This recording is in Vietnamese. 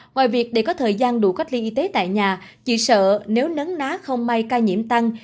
ngoài việc để có thời gian đủ cách ly y tế tại nhà chị sợ nếu nấn ná không may ca nhiễm tăng